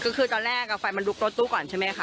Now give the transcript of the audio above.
คือคือตอนแรกไฟมันลุกรถตู้ก่อนใช่ไหมคะ